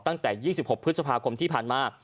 ตั้งแต่๒๖พฤษภาคมที่ผ่านมา